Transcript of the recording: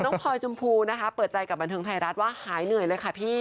พลอยชมพูนะคะเปิดใจกับบันเทิงไทยรัฐว่าหายเหนื่อยเลยค่ะพี่